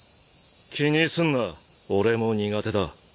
気にすんな俺も苦手だ。